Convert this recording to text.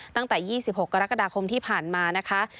ตั้งแต่๒๖กรกฎาคมที่ผ่านมานะคะ